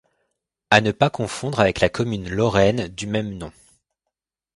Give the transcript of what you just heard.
À ne pas confondre avec la commune lorraine du même nom.